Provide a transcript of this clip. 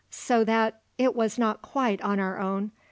So that it was not quite on our own.